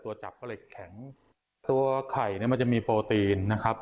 ตัวไข่เนี่ยมันจะมีโปรตีนนะครับ